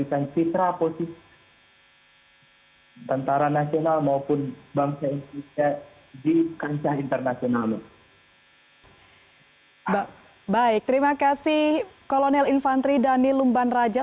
mungkin hal itu bisa diunggahi terhadap orang pergyancar kisah parliva dan luar biasa